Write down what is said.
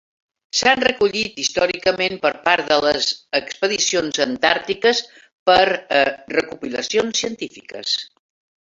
S'han recollit històricament per part de les expedicions antàrtiques per a recopilacions científiques.